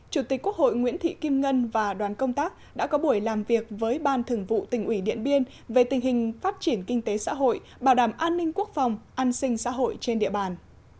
chủ tịch quốc hội nguyễn thị kim ngân và đoàn công tác đã có buổi làm việc với ban thường vụ tỉnh ủy điện biên về tình hình phát triển kinh tế xã hội bảo đảm an ninh quốc phòng an sinh xã hội trên địa bàn